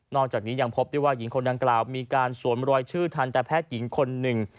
จากนี้ยังพบได้ว่าหญิงคนดังกล่าวมีการสวมรอยชื่อทันตแพทย์หญิงคนหนึ่ง